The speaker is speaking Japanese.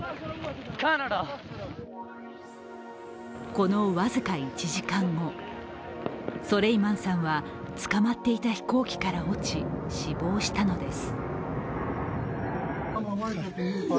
この僅か１時間後、ソレイマンさんはつかまっていた飛行機から落ち死亡したのです